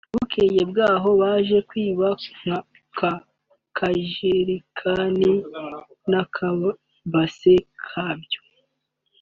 Bukeye bwaho baje kwiba ka kajerikani n’akabasi kabyo